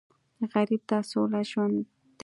غریب ته سوله ژوند دی